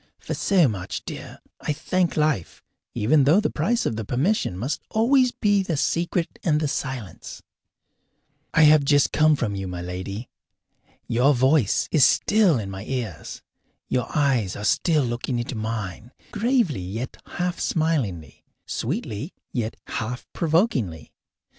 For so much, dear, I thank life, even though the price of the permission must always be the secret and the silence. I have just come from you, my lady. Your voice is still in my ears; your eyes are still looking into mine, gravely yet half smilingly, sweetly yet half provokingly.